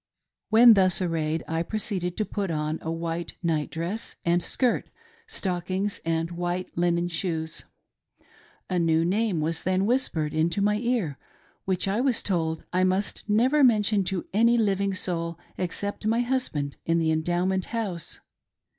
When thus arrayed, I proceeded to put on a white night dress and skirt, stockings, and white linen shoes. A new name was then whispered into my ear, which I was told I must never mention to any living soul except my husband in the Endow ment House.